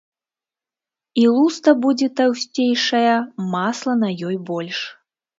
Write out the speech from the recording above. І луста будзе таўсцейшая, масла на ёй больш.